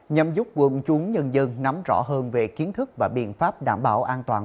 nhằm giúp quân chúng nhân dân nắm rõ hơn về kiến thức và biện pháp đảm bảo an toàn